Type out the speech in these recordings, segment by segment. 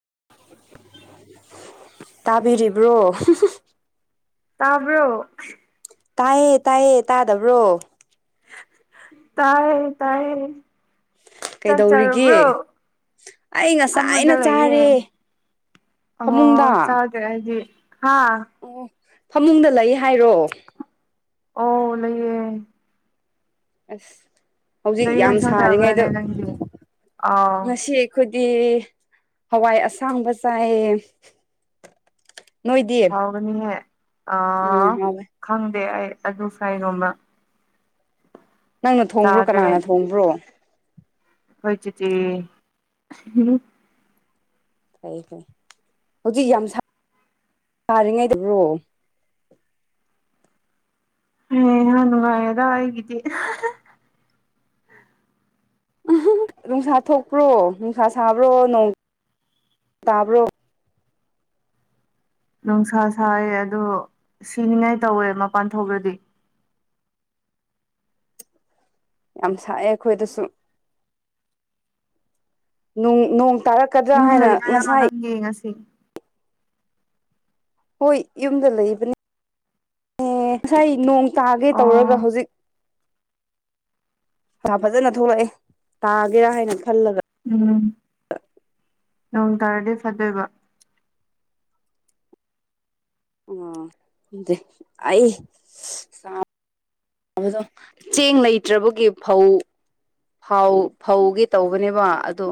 [inaudible] ꯇꯥꯕꯤꯔꯤꯕ꯭ꯔꯣ ꯇꯥꯕ꯭ꯔꯣ ꯇꯥꯏꯌꯦ ꯇꯥꯏꯌꯦ ꯇꯥꯗꯕ꯭ꯔꯣ ꯇꯥꯏ ꯇꯌꯦ ꯆꯠ ꯀꯩꯗꯧꯔꯤꯒꯦ ꯆꯨꯔꯕ꯭ꯔꯣ ꯑꯩ ꯉꯁꯥꯏꯅ ꯐꯝꯃꯒ ꯂꯩꯌꯦ ꯆꯥꯔꯦ ꯑꯣ ꯐꯃꯨꯡꯗ ꯆ ꯍꯥꯏꯗꯤ ꯍꯥꯥ ꯑꯣ ꯐꯃꯨꯡꯗ ꯂꯩ ꯍꯥꯏꯔꯣꯑꯣ ꯑꯣ ꯂꯩꯌꯦ ꯑꯁ ꯍꯧꯖꯤꯛ ꯀꯔꯤ ꯌꯥꯝ ꯌꯦꯟꯁꯥꯡ ꯁꯥꯔꯤꯉꯩꯗ ꯆꯥꯕ꯭ꯔꯥꯅꯦ ꯅꯪꯗꯤ ꯑꯥꯎ ꯉꯁꯤ ꯑꯩꯈꯣꯏ ꯤ ꯍꯋꯥꯏ ꯑꯁꯥꯡꯕ ꯆꯥꯏ ꯍꯥꯎꯒꯅꯤꯍꯦ ꯑ ꯎꯝ ꯍꯥꯎꯋꯦ ꯈꯪꯗꯦ ꯑꯩ ꯑꯗꯨ ꯐ꯭ꯔꯥꯏꯒꯣꯅ ꯅꯪꯅ ꯊꯣꯡꯕ꯭ꯔꯣ ꯀꯅꯥꯅ ꯊꯣꯡꯕ꯭ꯔꯣ ꯑꯣꯏꯣꯏꯆꯇꯦꯝ ꯐꯩ ꯐꯩ ꯍꯧꯖꯤꯛ ꯌꯥꯝ ꯁꯥ ꯁꯥꯥꯔꯤꯉꯩꯕ꯭ꯔꯣ ꯍ ꯅꯥꯟ ꯃꯥꯗ ꯍꯥꯏꯒꯗꯤꯦ ꯎꯝ ꯅꯨꯡꯁꯥ ꯊꯣꯛꯄ꯭ꯔꯣ ꯅꯨꯡꯁꯥ ꯁꯥꯕ꯭ꯔꯣ ꯅꯣꯡ ꯇꯥꯕ꯭ꯔꯣ ꯅꯨꯡꯁꯥ ꯁꯥꯏ ꯑꯗꯣ ꯁꯤꯅꯤꯉꯥꯏ ꯇꯧꯋꯦ ꯃꯄꯥꯟ ꯊꯣꯛꯂꯗꯤ ꯌꯥꯝ ꯁꯛꯑꯦ ꯑꯩꯈꯣꯏꯗꯁꯨ ꯅꯣꯡ ꯇꯥꯔꯛꯀꯗ꯭ꯔꯥ ꯌꯨꯝ ꯍꯥꯏꯅ ꯂꯩꯗꯣꯏꯔꯣ ꯉꯁꯥꯏ ꯅꯪꯗꯤ ꯉꯁꯤ ꯍꯣꯏ ꯌꯨꯝꯗ ꯂꯩꯕꯅꯤ ꯑꯦ ꯉꯁꯥꯏ ꯅꯣꯡ ꯇꯥꯒꯦ ꯇꯧꯔꯒ ꯑꯣ ꯍꯧꯖꯤꯛ ꯐꯖꯅ ꯊꯣꯛꯂꯛꯑꯦ ꯇꯥꯒꯦꯔꯥ ꯍꯥꯏꯅ ꯈꯜꯂꯒ ꯎꯝ ꯅꯣꯡ ꯇꯥꯔꯗꯤ ꯐꯠꯇꯣꯏꯕ ꯑꯗ ꯑꯩ ꯣ ꯆꯦꯡ ꯂꯩꯇ꯭ꯔꯕꯒꯤ ꯐꯧ ꯐ ꯐꯧꯒꯤ ꯇꯧꯕꯅꯦꯕ ꯑꯗꯣ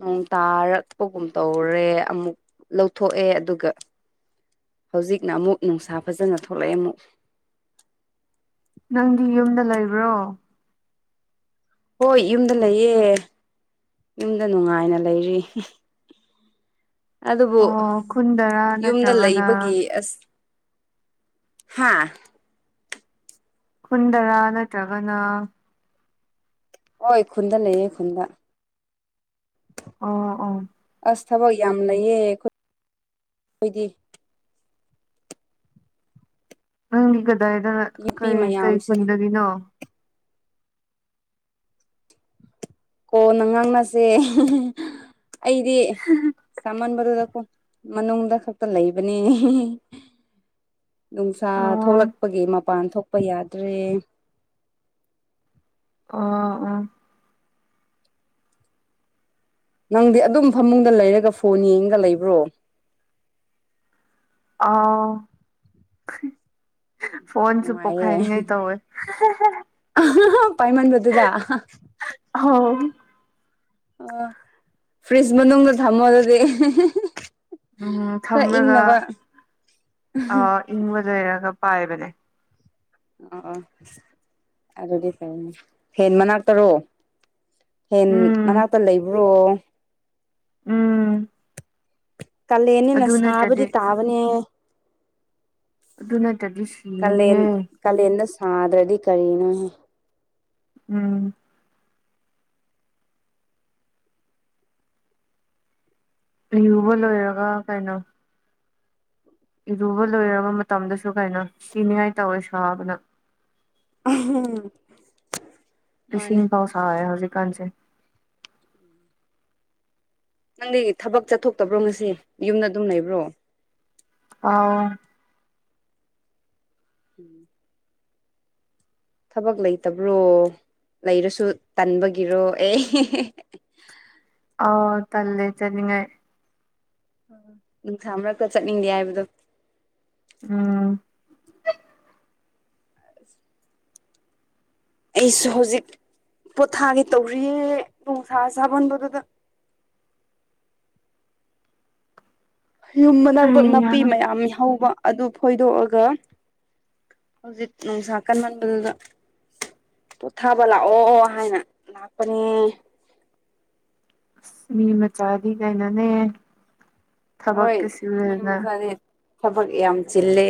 ꯅꯣꯡ ꯇꯥꯔꯛꯄꯒꯨꯝ ꯇꯧꯔꯦ ꯑꯃꯨꯛ ꯂꯧꯊꯣꯛꯑꯦ ꯑꯗꯨꯒ ꯍꯧꯖꯤꯛꯅ ꯑꯃꯨꯛ ꯅꯨꯡꯁꯥ ꯐꯖꯅ ꯊꯣꯛꯂꯛꯑꯦ ꯑꯃꯨꯛ ꯅꯪꯗꯤ ꯌꯨꯝꯗ ꯂꯩꯕ꯭ꯔꯣ ꯍꯣꯏ ꯌꯨꯝꯗ ꯂꯩꯌꯦ ꯌꯨꯝꯗ ꯅꯨꯡꯉꯥꯏꯅ ꯂꯩꯔꯤ ꯑꯗꯨꯕꯨ ꯑꯣ ꯈꯨꯟꯗꯔꯥ ꯌꯨꯝꯗ ꯂꯩꯕꯒꯤ ꯅꯠꯇ꯭ꯔꯒꯅ ꯑꯁ ꯍꯥꯥ ꯈꯨꯨꯟꯗꯔꯥ ꯅꯠꯇ꯭ꯔꯒꯅ ꯍꯣꯏ ꯈꯨꯟꯗ ꯂꯩꯌꯦꯦ ꯈꯨꯟꯗ ꯑꯣ ꯑꯣ ꯑꯁ ꯊꯕꯛ ꯌꯥꯝ ꯂꯩꯌꯦꯣꯏ ꯑꯩꯈꯣꯏꯗꯤ ꯅꯪꯗꯤ ꯀꯗꯥꯏꯗ ꯅꯨꯄꯤ ꯀꯩ ꯀꯔꯤ ꯃꯌꯥꯝꯁꯦ ꯈꯨꯟꯗꯒꯤꯅꯣ ꯀꯣ ꯅ ꯉꯥꯡꯅꯁꯦ ꯑꯩꯗꯤ ꯃꯃꯟ ꯃꯔꯨꯗꯀꯣ ꯃꯅꯨꯡꯗ ꯈꯛꯇ ꯂꯩꯕꯅꯤ ꯅꯨꯡꯁꯥ ꯑꯣ ꯊꯣꯛꯂꯛꯄꯒꯤ ꯃꯄꯥꯟ ꯊꯣꯛꯄ ꯌꯥꯗ꯭ꯔꯦ ꯑꯣ ꯑꯣ ꯅꯪꯗꯤ ꯑꯗꯨꯝ ꯐꯃꯨꯡꯗ ꯂꯩꯔꯒ ꯐꯣꯟ ꯌꯦꯡꯒ ꯂꯩꯕ꯭ꯔꯣ ꯑꯥ ꯐꯣꯟꯣꯟꯁꯨꯄꯣ ꯅꯨꯡꯉꯥꯏꯌꯦ ꯈꯥꯏ ꯅ ꯑ ꯇꯧ ꯑꯣꯏꯣꯏ ꯄꯥꯏꯃꯅꯤꯕꯠꯇꯗ ꯑꯧ ꯑ ꯐ꯭ꯔꯦꯁ ꯃꯅꯗ ꯊꯥꯡꯝꯕꯣꯗꯗꯤ ꯎꯝ ꯊꯝꯂꯒ ꯑ ꯏꯪꯕ ꯂꯩꯔꯒ ꯄꯥꯏꯕꯅꯦ ꯑ ꯑ ꯑꯗꯨꯗꯤ ꯐꯩꯅꯦ ꯍꯦꯟ ꯃꯅꯥꯛꯇꯔꯣ ꯍꯦꯟ ꯎꯝ ꯃꯅꯥꯛꯇ ꯂꯩꯕ꯭ꯔꯣ ꯎꯝ ꯀꯜꯂꯦꯅꯤꯅ ꯑꯗꯨ ꯁꯥꯕꯗꯤ ꯅꯠꯇ꯭ꯔꯗꯤ ꯇꯥꯕꯅꯦ ꯑꯗꯨ ꯅꯠꯇ꯭ꯔꯗꯤ ꯀꯥꯂꯦꯟ ꯁꯤꯒꯅꯤꯍꯦ ꯀꯥꯂꯦꯟꯗ ꯁꯥꯗ꯭ꯔꯗꯤ ꯀꯔꯤꯅꯣ ꯎꯝ ꯌꯨꯕ ꯂꯣꯏꯔꯒ ꯀꯩꯅꯣ ꯏꯔꯨꯕ ꯂꯣꯏꯔꯕ ꯃꯇꯝꯗꯁꯨ ꯀꯩꯅꯣ ꯁꯤꯅꯤꯉꯥꯏ ꯇꯧꯋꯦ ꯁꯥꯕꯅ ꯎꯝ ꯏꯁꯤꯡ ꯄꯥꯎ ꯁꯥꯎꯋꯦ ꯍꯧꯖꯤꯛꯀꯥꯟꯁꯦ ꯅꯪꯗꯤ ꯊꯕꯛ ꯆꯠꯊꯣꯛꯇꯕ꯭ꯔꯣ ꯉꯁꯤ ꯌꯨꯝꯗ ꯑꯗꯨꯝ ꯂꯩꯕ꯭ꯔꯣ ꯑꯥ ꯎꯝ ꯊꯕꯛ ꯂꯩꯇꯕ꯭ꯔꯣ ꯂꯩꯔꯁꯨ ꯇꯟꯕꯒꯤꯔꯣ ꯑꯦ ꯑꯣ ꯇꯂꯦ ꯆꯅꯤꯡꯉꯥꯏ ꯅꯨꯡꯁꯥ ꯃꯔꯔꯛꯇ ꯆꯠꯅꯤꯡꯗꯦ ꯍꯥꯏꯕꯗꯣ ꯎꯝ ꯑꯁ ꯑꯩꯁꯨ ꯍꯧꯖꯤꯛ ꯄꯣꯊꯥꯒꯤ ꯇꯧꯔꯤꯌꯦꯦ ꯣꯡꯁꯥ ꯁꯥꯥꯕꯣꯟꯕꯗꯨꯗ [inaudible] ꯌꯨꯝ ꯃꯅꯥꯀ ꯍꯩꯌꯥ ꯅꯥꯄꯤ ꯃꯌꯥꯝ ꯍꯧꯕ ꯑꯗꯨ ꯐꯣꯏꯗꯣꯛꯑꯒ ꯍꯧꯖꯤꯛ ꯅꯨꯡꯁꯥ ꯀꯟ ꯃꯟꯕꯗꯨꯗ ꯄꯣꯊꯥꯕ ꯂꯥꯛꯑꯣ ꯍꯥꯏꯅ ꯂꯥꯛꯄꯅꯦ ꯑꯁ ꯃꯤ ꯃꯆꯥꯗꯤ ꯀꯩꯅꯅꯦ ꯍꯣꯏ ꯊꯕꯛꯇ ꯃꯤ ꯁꯨꯔꯦꯗꯅ ꯃꯆꯥꯗꯤ ꯊꯕꯛ ꯌꯥꯝ ꯆꯤꯜꯂꯦ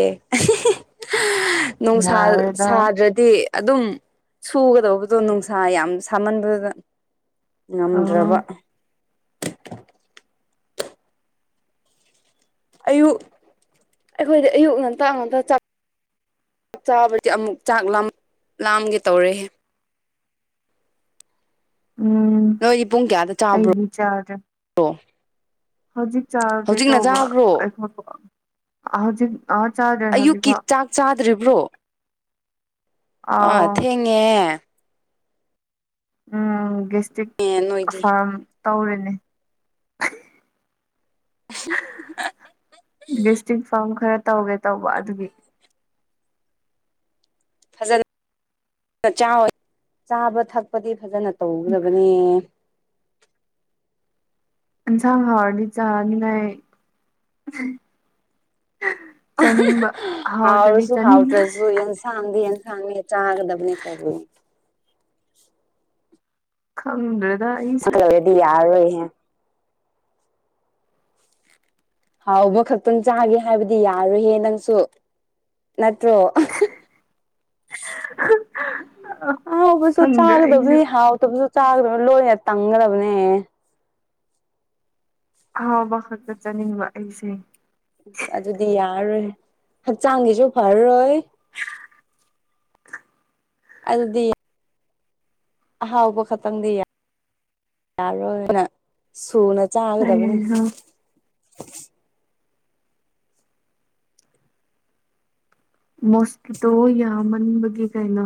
ꯅꯨꯡꯁꯥ ꯌꯥꯔꯦꯗ ꯁꯥꯗ꯭ꯔꯗꯤ ꯑꯗꯨꯝ ꯁꯨꯒꯗꯧꯕꯗꯣ ꯅꯨꯡꯁꯥ ꯌꯥꯝ ꯁꯥꯃꯟꯕꯗꯨꯗ ꯑꯥ ꯉꯝꯗ꯭ꯔꯕ ꯑꯌꯨꯛ ꯑꯩꯈꯣꯏꯗꯤ ꯑꯌꯨꯛ ꯉꯟꯇ ꯉꯝꯇ ꯆꯥꯛ ꯆꯥꯕꯕꯁꯤ ꯑꯃꯨꯛ ꯆꯥꯛ ꯂꯥꯝꯒꯦ ꯇꯧꯔꯦ ꯎꯝ ꯅꯣꯏꯗꯤ ꯄꯨꯡ ꯀꯌꯥꯗ ꯆꯥꯕ꯭ꯔꯣ꯭ꯔ ꯑꯩꯗꯤ ꯆꯥꯗ꯭ꯔꯦ ꯍꯧꯖꯤꯛ ꯆꯥꯒꯦ ꯇꯧꯕ ꯆꯥꯕ꯭ꯔꯣ ꯑꯩꯈꯣꯏ ꯍꯧꯖꯤꯛ ꯑꯥ ꯆꯥꯗ꯭ꯔꯦ ꯑꯌꯨꯛꯀꯤ ꯍꯧꯖꯤꯛꯐꯥꯎ ꯆꯥꯛ ꯆꯥꯗ꯭ꯔꯤꯕ꯭ꯔꯣ ꯑ ꯑꯥꯎ ꯊꯦꯡꯉꯦ ꯎꯝ ꯒꯦꯁꯇ꯭ꯔꯤꯛ ꯑꯦ ꯅꯣꯏꯗꯤ ꯐꯥꯔꯝ ꯇꯧꯔꯤꯅꯦ [inaudible] ꯕꯤꯁꯇ꯭ꯔꯤꯛ ꯐꯥꯔꯝ ꯈꯔ ꯇꯧꯒꯦ ꯇꯧꯕ ꯑꯗꯨꯒꯤ ꯐꯖꯅ ꯆꯥꯕ ꯊꯛꯄꯗꯤ ꯐꯖꯅ ꯇꯧꯒꯗꯕꯅꯦ ꯏꯟꯁꯥꯡ ꯍꯔꯗꯤ ꯆꯅꯤꯡꯉꯥꯏ ꯍꯥꯎ꯭ꯔꯁꯨ ꯆꯥꯅꯤꯡ ꯍꯥꯎꯗ꯭ꯔꯁꯨ ꯌꯦꯟ ꯁꯗ ꯌꯦꯟ ꯥꯡ ꯆꯍꯒ ꯗꯕꯅꯤ ꯀꯅꯤ ꯈꯪ꯭ꯔꯦ ꯆꯂꯧꯔꯦꯗꯤ ꯌꯥꯔꯔꯣꯏꯍꯦ ꯍꯥꯎꯕ ꯈꯛꯇꯪ ꯆꯥꯒꯦ ꯍꯥꯏꯕꯗꯤ ꯌꯥꯔꯨꯍꯦ ꯅꯪꯁꯨ ꯅꯠꯇ꯭ꯔꯣ ꯍꯥꯎꯕꯁꯨ ꯈꯪꯗ꯭ꯔꯦ ꯆꯥꯒꯗꯕ ꯑꯩꯁꯨ ꯍꯥꯎꯗꯕꯁꯨ ꯆꯥꯒꯗꯕꯅꯤ ꯂꯣꯏꯅ ꯇꯪꯒꯗꯕꯅꯦ ꯍꯥꯎꯕ ꯆꯅꯤꯡ ꯑꯩꯁꯦ ꯑ ꯑꯗꯨꯗꯤ ꯌꯥꯔꯣꯏ ꯍꯛꯆꯥꯡꯒꯤꯁꯨ ꯐꯔꯔꯣꯏ ꯑꯜꯗꯤ ꯑꯍꯥꯎꯕ ꯈꯛꯇꯪꯗꯤ ꯌꯥꯔꯣꯏꯅ ꯁꯨꯅ ꯆꯥꯒꯗꯕꯅꯦ ꯑꯩꯁꯨ ꯃꯣꯁꯀꯤꯇꯣ ꯌꯥ ꯃꯅꯤꯕꯒꯤ ꯀꯥꯏꯅ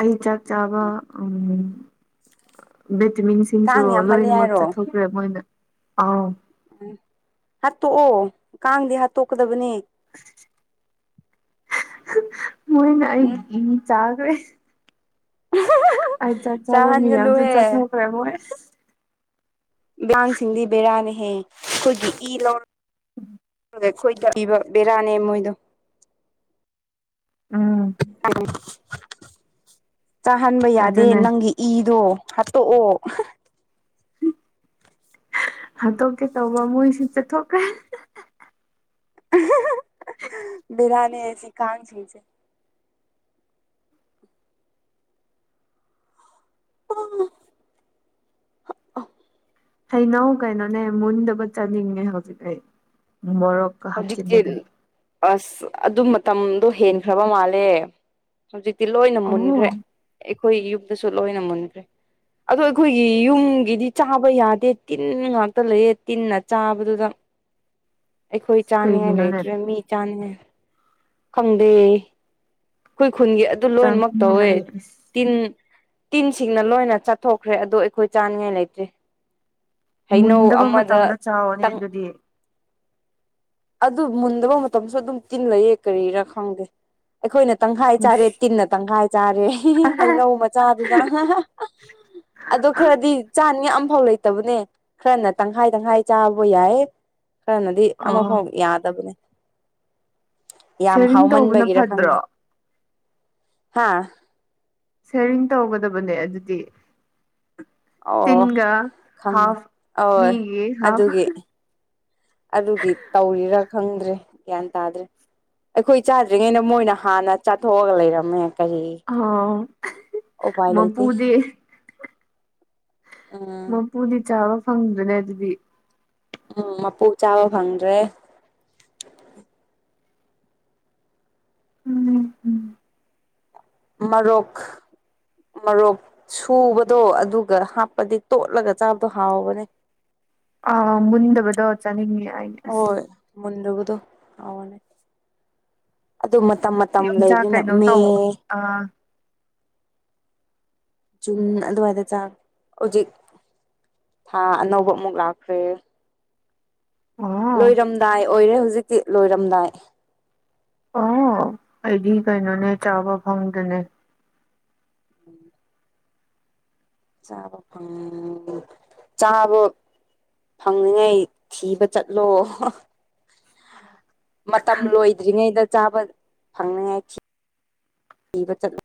ꯑꯩ ꯆꯥꯛ ꯆꯥꯕ ꯎꯝ ꯆꯃꯤꯡꯁꯤꯡꯁꯨ ꯀꯥꯡ ꯌꯥꯝꯃꯜꯂꯦ ꯂꯣꯏꯅꯃꯛ ꯍꯥꯏꯔꯣ ꯆꯠꯊꯣꯛꯈ꯭ꯔꯦ ꯃꯣꯏꯅ ꯑꯥꯎ ꯍꯥꯠꯇꯣꯛꯑꯣ ꯀꯥꯡꯗꯤ ꯍꯥꯠꯇꯣꯛꯀꯗꯕꯅꯦ ꯃꯣꯏꯅ ꯑꯩ ꯎꯝ ꯆꯥꯈ꯭ꯔꯦ ꯑꯩ ꯆꯠ ꯆꯕ ꯃꯤꯌꯥꯝꯁꯨ ꯆꯥꯍꯟꯒꯅꯨꯍꯦ ꯆꯠꯊꯣꯛꯈ꯭ꯔꯦ ꯃꯣꯏ ꯃꯉꯥꯡꯁꯤꯡꯗꯤ ꯕꯦꯔꯥꯅꯍꯦ ꯑꯩꯈꯣꯏꯒꯤ ꯏ ꯂꯧ ꯑꯩꯈꯣꯏꯗ ꯄꯤꯕ ꯕꯦꯔꯥꯅꯦ ꯃꯣꯏꯗꯣ ꯎꯝ [inaudible] ꯆꯥꯍꯟꯕ ꯌꯥꯗꯦ ꯑꯗꯨꯅꯦ ꯅꯪꯒꯤ ꯏꯗꯣ ꯍꯥꯠꯇꯣꯛꯑꯣ ꯍꯥꯠꯇꯣꯛꯞꯀꯦ ꯇꯧꯕ ꯃꯣꯏꯁꯨ ꯆꯠꯊꯣꯛꯈ꯭ꯔꯦ ꯕꯤꯔꯅꯤꯁꯤ ꯀꯥꯟ ꯁꯨꯁꯦ ꯑ ꯍꯩꯅꯧ ꯀꯩꯅꯣꯅꯦ ꯃꯨꯟꯗꯕ ꯆꯠꯅꯤꯡꯉꯦ ꯍꯧꯖꯤꯛ ꯑꯩ ꯃꯣꯔꯣꯛꯀ ꯍꯧꯖꯤꯛꯇꯤ ꯍꯥꯞꯆꯤꯤꯟꯂꯗꯨꯅ ꯑꯁ ꯑꯗꯨ ꯃꯇꯝꯗꯣ ꯍꯦꯟꯈ꯭ꯔꯕ ꯃꯥꯜꯂꯦ ꯍꯧꯖꯤ ꯇꯤ ꯂꯣꯏꯅ ꯑꯣ ꯃꯨꯟꯈ꯭ꯔꯦ ꯑꯩꯈꯣꯏ ꯌꯨꯝꯗꯁꯨ ꯂꯣꯏꯅ ꯃꯨꯟꯈ꯭ꯔꯦ ꯑꯗꯣ ꯑꯩꯈꯣꯏꯒꯤ ꯌꯨꯝꯒꯤꯗꯤ ꯆꯥꯕ ꯌꯥꯗꯦ ꯇꯤꯟ ꯉꯥꯛꯇ ꯂꯩꯌꯦ ꯇꯤꯟꯅ ꯆꯥꯕꯗꯨꯗ ꯑꯩꯈꯣꯏ ꯆꯥꯅꯤꯡꯉꯥꯏ ꯀꯩꯒꯤꯅꯣꯅꯦ ꯂꯩꯇ꯭ꯔꯦ ꯃꯤ ꯆꯥꯅꯤꯉꯥꯏ ꯈꯪꯗꯦ ꯈꯨꯟꯒꯤ ꯑꯗꯨ ꯂꯣꯏꯅꯃꯛ ꯆꯥꯅꯤꯡꯉꯦ ꯇꯧꯋꯦ ꯑꯩ ꯑꯁ ꯇꯤꯟ ꯇꯤꯟꯁꯤꯡꯅ ꯂꯣꯏꯅ ꯆꯠꯊꯣꯛꯈ꯭ꯔꯦ ꯑꯗꯣ ꯑꯩꯈꯣꯏ ꯆꯥꯅꯤꯡꯉꯥꯏ ꯂꯩꯇ꯭ꯔꯤ ꯃꯟꯗꯕꯃ ꯇꯝꯗ ꯆꯥꯋꯣꯅꯦ ꯌꯦꯖꯗꯤꯦ ꯑꯗꯨ ꯃꯨꯟꯗꯕ ꯃꯇꯝꯁꯨ ꯑꯗꯨꯝ ꯇꯤꯟꯜꯂꯌꯦ ꯀꯔꯤꯔꯥ ꯈꯪꯗꯦ ꯑꯩꯈꯣꯏꯅ ꯇꯪꯈꯥꯏ ꯆꯥꯔꯦ ꯎꯁ ꯇꯤꯟꯅ ꯇꯪꯈꯥꯏ ꯆꯥꯔꯦ ꯍꯩꯅꯧ ꯃꯆꯥꯗꯨꯗ ꯑꯗꯣ ꯈꯔꯗꯤ ꯆꯥꯅꯤ ꯐꯥꯎ ꯂꯩꯇꯕꯅꯦ ꯈꯔꯅ ꯇꯪꯈꯥꯏ ꯇꯪꯈꯥꯏ ꯆꯥꯕ ꯌꯥꯏ ꯈꯔꯅꯗꯤ ꯑꯣ ꯑꯃꯐꯥꯎ ꯌꯥꯗꯕꯅꯦ ꯌꯥꯝ ꯁꯦꯔꯤꯡ ꯇꯧꯕꯅ ꯍꯥꯎꯃꯟꯕꯒꯤꯔ ꯐꯠꯇ꯭ꯔꯣ ꯈꯪꯅꯩ ꯍꯥ ꯁꯦꯔꯤꯡ ꯇꯧꯒꯗꯕꯅꯦ ꯑꯗꯨꯗꯤ ꯑꯣ ꯇꯤꯟꯒ ꯈꯪꯉꯦ ꯍꯥꯐ ꯑ ꯃꯤꯒꯤ ꯍꯥꯐ ꯑꯗꯨꯒꯤ ꯑꯗꯨꯗꯤ ꯇꯧꯔꯤꯔ ꯈꯪꯗ꯭ꯔꯦ ꯒ꯭ꯌꯥꯟ ꯇꯥꯗ꯭ꯔꯦ ꯑꯩꯈꯣꯏ ꯆꯥꯗ꯭ꯔꯤꯉꯩꯩꯅ ꯃꯣꯏꯅ ꯍꯥꯟꯅ ꯆꯥꯊꯣꯛꯑꯒ ꯂꯩꯔꯝꯃꯦ ꯀꯔꯤ ꯑꯣ ꯎꯄꯥꯏ ꯂꯩꯇꯦ ꯃꯄꯨꯗꯤ ꯎꯝ ꯃꯄꯨꯗꯤ ꯆꯥꯕ ꯐꯪꯗ꯭ꯔꯅꯦ ꯑꯗꯨꯗꯤ ꯎꯝ ꯃꯄꯨ ꯆꯥꯕ ꯐꯪꯗ꯭ꯔꯦ ꯎꯝ ꯎꯝ ꯃꯔꯔꯣꯛꯛ ꯃꯔꯣꯛ ꯁꯨꯕꯗꯣ ꯑꯗꯨꯒ ꯍꯥꯞꯄꯗꯤ ꯇꯣꯠꯂꯒ ꯆꯥꯕꯗꯣ ꯍꯥꯎꯕꯅꯦ [inaudible] ꯑ ꯃꯗꯕꯗꯥꯎ ꯆꯅꯤꯡ ꯍꯣꯏ ꯃꯟꯗꯕꯗ ꯑꯋꯥꯅꯦ ꯑꯗꯨ ꯃꯇꯝ ꯃꯇꯝ ꯌꯣꯡꯆꯥꯛ ꯂꯩꯕ ꯀꯩꯅꯣꯝ ꯅꯝꯃꯦ ꯇꯧ ꯑꯥ ꯨꯝ ꯑꯗꯨꯋꯥꯏꯗ ꯆ ꯍꯧꯖꯤꯛ ꯊꯥ ꯑꯅꯧꯕ ꯑꯃꯨꯛ ꯂꯥꯛꯈ꯭ꯔꯦ꯫ ꯑꯣ ꯂꯣꯏꯔꯝꯗꯥꯏ ꯑꯣꯏꯔꯦ ꯍꯧꯖꯤꯛꯇꯤ ꯂꯣꯏꯔꯝꯗꯥꯏ꯫ ꯑꯣ ꯑꯩꯗꯤ ꯀꯩꯅꯣꯅꯦ ꯆꯥꯕ ꯐꯪꯗꯦꯅꯦ꯫ [unintelligible] ꯆꯥꯕ ꯐꯪ ꯆꯥꯕ ꯐꯪꯅꯤꯉꯩ ꯊꯤꯕ ꯆꯠꯂꯣ꯫ ꯃꯇꯝ ꯂꯣꯏꯗ꯭ꯔꯤꯉꯩꯗ ꯆꯥꯕ ꯐꯪꯅꯤꯉꯥꯏ ꯊꯤ ꯊꯤꯕ ꯆꯠꯂꯣ꯫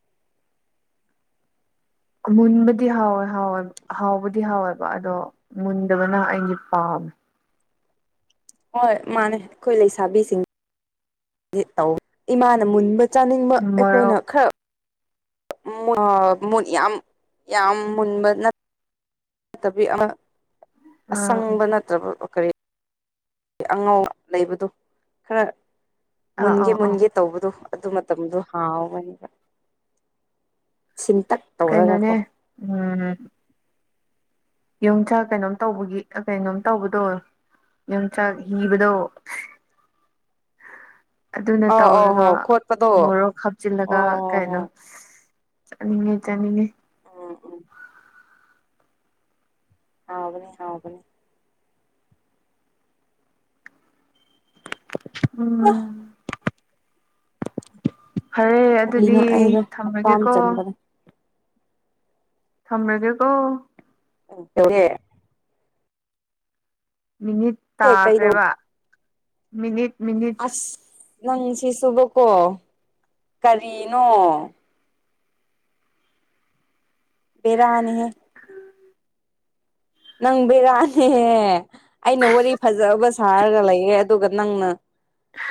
ꯑꯃꯨꯟꯕꯗꯤ ꯍꯥꯎꯋꯦ ꯍꯥꯎꯋꯦ ꯍꯥꯎꯕꯨꯗꯤ ꯍꯥꯎꯋꯦꯕ ꯑꯗꯣ ꯃꯨꯟꯗꯕꯅ ꯑꯩꯗꯤ ꯄꯥꯎ [unintelligible] ꯍꯣꯏ ꯃꯥꯅꯦ ꯑꯩꯈꯣꯏ ꯂꯩꯁꯥꯕꯤꯁꯤꯡ ꯗꯤ ꯇꯧ ꯏꯃꯥꯅ ꯃꯨꯟꯕ ꯆꯥꯅꯤꯡꯕ ꯑꯩꯈꯣꯏꯅ ꯃꯣꯔꯣꯛ ꯈꯔ ꯃꯨ ꯑ ꯃꯨ ꯌꯥꯝ ꯌꯥꯝ ꯃꯟꯕꯅꯠ ꯅꯠꯇꯕꯤ ꯑꯃ ꯑꯥ ꯑꯁꯪꯕ ꯅꯠꯇ꯭ꯔꯕ ꯀꯔꯤ ꯑꯉꯥꯎ ꯂꯩꯕꯗꯣ ꯈꯔ ꯑꯥ ꯃꯨꯟꯒꯦ ꯑꯥ ꯑꯥ ꯃꯨꯟꯒꯦ ꯇꯧꯕꯗꯣ꯫ ꯑꯗꯨ ꯃꯇꯝꯗꯣ ꯍꯥꯎꯕꯅꯤꯕ꯫ ꯁꯤꯟꯇꯛ ꯇꯧꯔꯒꯀꯣ꯫ ꯀꯩꯅꯣꯅꯦ ꯎꯝ ꯌꯣꯡꯆꯥꯛ ꯀꯩꯅꯣꯝ ꯇꯧꯕꯒꯤ ꯀꯩꯅꯣꯝ ꯇꯧꯕꯗꯣ꯫ ꯌꯣꯡꯆꯥꯛ ꯍꯤꯕꯗꯣ ꯑꯗꯨꯅ ꯑꯥ ꯑꯣ ꯍꯣ ꯇꯧꯔꯒ ꯈꯣꯠꯄꯗꯣ ꯑꯣ ꯃꯣꯔꯣꯛ ꯍꯥꯞꯆꯤꯜꯂꯒ ꯍꯣ ꯍꯣ ꯀꯩꯅꯣ ꯆꯥꯅꯤꯡꯉꯦ ꯆꯥꯅꯤꯡꯉꯦ꯫ ꯎꯝ ꯎꯝ ꯍꯥꯎꯕꯅꯤ ꯍꯥꯎꯕꯅꯤ꯫ ꯎꯝ꯫ ꯐꯔꯦ ꯑꯗꯨꯗꯤ ꯀꯔꯤꯅꯣ ꯑꯩꯗꯣ ꯍꯛꯀꯥꯝ ꯊꯝꯃꯒꯦꯀꯣ꯫ ꯆꯟꯕꯅꯦ ꯊꯝꯃꯒꯦꯀꯣ꯫ [unintelligible] ꯃꯤꯅꯤꯠ ꯑꯦ ꯀꯩꯗꯧ ꯇꯥꯈ꯭ꯔꯦꯕ ꯃꯤꯅꯤꯠ ꯃꯤꯅꯤꯠ ꯑꯁ ꯅꯪꯁꯤ ꯁꯨꯕꯀꯣ ꯀꯔꯤꯅꯣ꯫ ꯕꯔꯅꯦꯍꯦ꯫ ꯅꯪ ꯕꯦꯔꯥꯅꯦꯍꯦ ꯑꯩꯅ ꯋꯥꯔꯤ ꯐꯖꯕ ꯁꯥꯔꯒ ꯂꯩꯌꯦ ꯑꯗꯨꯒ ꯅꯪꯅ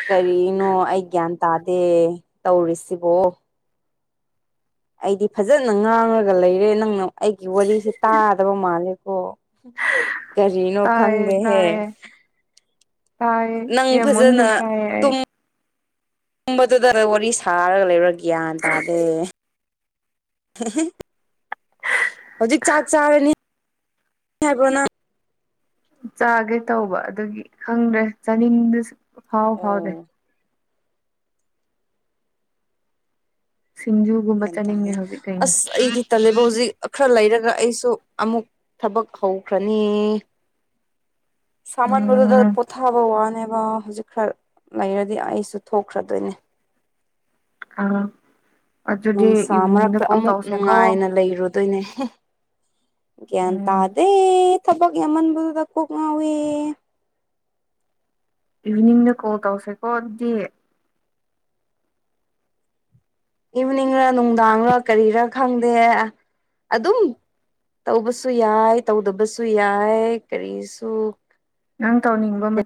ꯀꯔꯤꯅꯣ ꯑꯩ ꯒ꯭ꯌꯥꯟ ꯇꯥꯗꯦ ꯇꯧꯔꯤꯁꯤꯕꯣ꯫ ꯑꯩꯗꯤ ꯐꯖꯅ ꯉꯥꯡꯉꯒ ꯂꯩꯔꯦ ꯅꯪꯅ ꯑꯩꯒꯤ ꯋꯥꯔꯤꯁꯦ ꯇꯥꯗꯕ ꯃꯥꯜꯂꯦꯀꯣ꯫ ꯀꯔꯤꯅꯣ ꯇꯥꯏꯌꯦ ꯈꯪꯗꯦꯍꯦ꯫ ꯇꯥꯏꯌꯦ ꯇꯥꯏꯌꯦ ꯅꯪ ꯌꯥꯝꯃꯟꯅ ꯐꯖꯅ ꯇꯥꯏꯌꯦ ꯑꯩ꯫ ꯇꯨꯝꯕꯗꯨꯗ ꯋꯥꯔꯤ ꯁꯥꯔꯒ ꯂꯩꯕ꯭ꯔꯥ ꯒ꯭ꯌꯥꯟ ꯇꯥꯗꯦ꯫ [unintelligible] ꯍꯧꯖꯤꯛ ꯆꯥꯛ ꯆꯥꯔꯅꯤ ꯍꯥꯏꯕ꯭ꯔꯣ ꯅꯪ꯫ ꯆꯥꯒꯦ ꯇꯧꯕ ꯑꯗꯨꯒꯤ ꯈꯪꯗ꯭ꯔꯦ ꯆꯥꯅꯤꯡꯕꯁꯨ ꯐꯥꯎ ꯐꯥꯎꯗꯦ꯫ ꯑꯣ ꯁꯤꯡꯖꯨꯒꯨꯝꯕ ꯒꯌꯥꯟ ꯇꯥꯗꯦ ꯆꯥꯅꯤꯡꯉꯦ ꯍꯧꯖꯤꯛ ꯀꯩꯅꯣ ꯑꯁ ꯑꯩꯗꯤ ꯇꯜꯂꯦꯕ ꯍꯧꯖꯤꯛ ꯈꯔ ꯂꯩꯔ ꯒ ꯑꯩꯁꯨ ꯑꯃꯨꯛ ꯊꯕꯛ ꯍꯧꯈ꯭ꯔꯅꯤ꯫ ꯁꯃꯟꯕꯗꯨꯗ ꯎꯝ ꯄꯣꯊꯥꯕꯋꯥꯅꯦ꯫ ꯕ ꯍꯧꯖꯤꯛ ꯈꯔ ꯂꯩꯔꯗꯤ ꯑꯩꯁꯨ ꯊꯣꯛꯈ꯭ꯔꯗꯣꯏꯅꯦ꯫ [unintelligible] ꯅꯨꯡꯁꯥ ꯏꯚꯤꯅꯤꯡꯗ ꯃꯔꯛꯇ ꯀꯣꯜ ꯑꯃꯨꯛ ꯇꯧꯁꯦꯀꯣ ꯅꯨꯡꯉꯥꯏꯅ ꯂꯩꯔꯨ ꯗꯣꯏꯅꯦ ꯒꯌꯥꯟ ꯎꯝ ꯇꯥꯗꯦ꯫ ꯊꯕꯛ ꯌꯥꯝꯃꯟꯕꯗꯨꯗ ꯀꯣꯛ ꯉꯥꯎꯋꯦ꯫ ꯏꯚꯤꯅꯤꯡꯗ ꯀꯣꯜ ꯇꯧꯁꯦꯀꯣ ꯑꯗꯨꯗꯤ꯫ ꯏꯕꯤꯅꯤꯡꯔ ꯅꯨꯡꯗꯥꯡꯔ ꯀꯔꯤꯔ ꯈꯪꯗꯦ ꯑꯗꯨꯝ ꯇꯧꯕꯁꯨ ꯌꯥꯏ ꯇꯧꯗꯕꯁꯨ ꯌꯥꯏ ꯀꯔꯤꯁꯨ ꯅꯪ ꯇꯧꯅꯤꯕ ꯃ